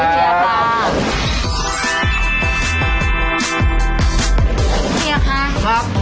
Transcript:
คุณเทียร์ครับ